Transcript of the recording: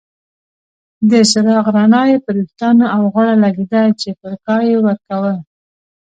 د څراغ رڼا یې پر ویښتانو او غاړه لګیده چې پرکا یې ورکول.